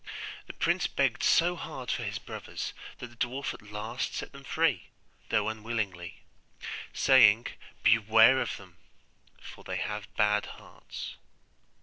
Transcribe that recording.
The prince begged so hard for his brothers, that the dwarf at last set them free, though unwillingly, saying, 'Beware of them, for they have bad hearts.